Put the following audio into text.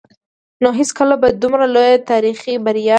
نو هېڅکله به دومره لويه تاريخي بريا